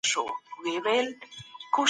انلاين کورس کي خپل وخت په سمه توګه تنظیم کړه.